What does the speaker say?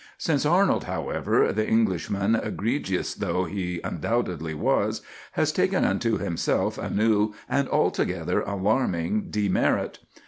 Since Arnold, however, the Englishman, egregious though he undoubtedly was, has taken unto himself a new and altogether alarming demerit.